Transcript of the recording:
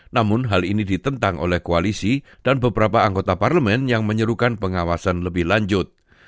namun hal ini ditentang oleh koalisi dan beberapa anggota parlemen yang menyerukan pengawasan lebih lanjut